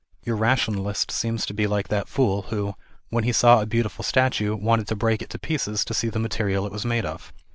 Your rationalist seems to be like that fool, who, when he saw a beautiful statue, wanted to break it to pieces to see the material it was made of.